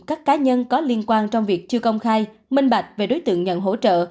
các cá nhân có liên quan trong việc chưa công khai minh bạch về đối tượng nhận hỗ trợ